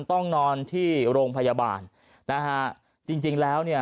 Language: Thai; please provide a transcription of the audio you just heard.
ต้องนอนที่โรงพยาบาลจริงแล้ว